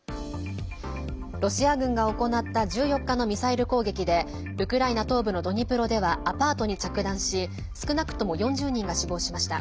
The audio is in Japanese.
ロシア軍が行った１４日のミサイル攻撃でウクライナ東部のドニプロではアパートに着弾し少なくとも４０人が死亡しました。